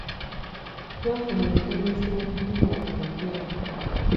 Twafuna omutendesi w'omupiira omupya.